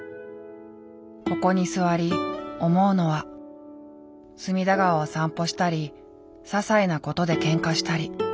ここに座り思うのは隅田川を散歩したりささいなことでけんかしたり。